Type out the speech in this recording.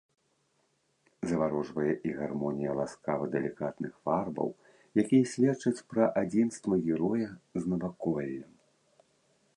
Заварожвае і гармонія ласкава-далікатных фарбаў, якія сведчаць пра адзінства героя з наваколлем.